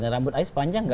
rambut ais panjang gak